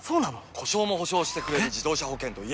故障も補償してくれる自動車保険といえば？